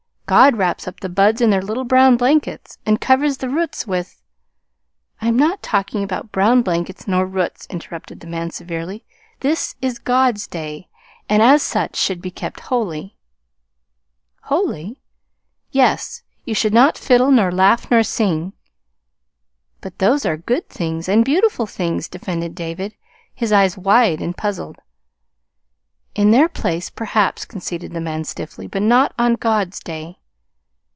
"God wraps up the buds in their little brown blankets, and covers the roots with " "I am not talking about brown blankets nor roots," interrupted the man severely. "This is God's day, and as such should be kept holy." "'Holy'?" "Yes. You should not fiddle nor laugh nor sing." "But those are good things, and beautiful things," defended David, his eyes wide and puzzled. "In their place, perhaps," conceded the man, stiffly, "but not on God's day."